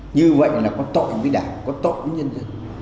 như vậy là có tội với đảng có tội với nhân dân